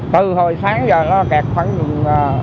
từ hồi sáng giờ nó kẹt khoảng